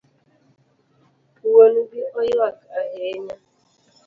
Wuon gi oywak ahinya